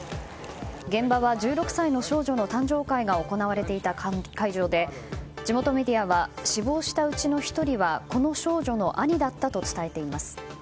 現場は、１６歳の少女の誕生会が行われていた会場で地元メディアは死亡したうちの１人はこの少女の兄だったと伝えています。